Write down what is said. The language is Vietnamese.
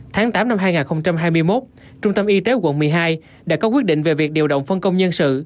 tháng tám năm hai nghìn hai mươi một trung tâm y tế quận một mươi hai đã có quyết định về việc điều động phân công nhân sự